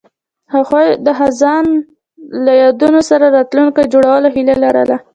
هغوی د خزان له یادونو سره راتلونکی جوړولو هیله لرله.